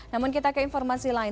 namun kita ke informasi lain